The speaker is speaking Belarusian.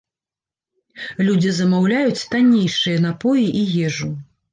Людзі замаўляюць таннейшыя напоі і ежу.